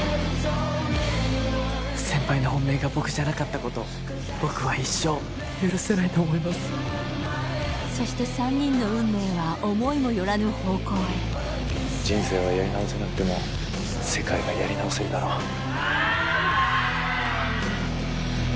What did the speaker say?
先輩の本命が僕じゃなかったこと僕は一生許せないと思いますそして３人の運命は思いも寄らぬ方向へ人生はやり直せなくても世界はやり直せるだろう